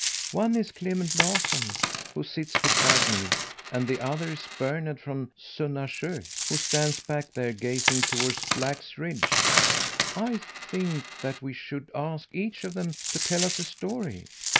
One is Clement Larsson, who sits beside me, and the other is Bernhard from Sunnasjö, who stands back there gazing toward Black's Ridge. I think that we should ask each of them to tell us a story.